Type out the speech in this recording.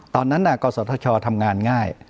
ตอนนั้นก็สวทชทำงานง่าย